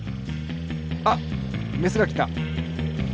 あっメスがきた！